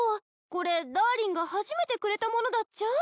これダーリンが初めてくれたものだっちゃ。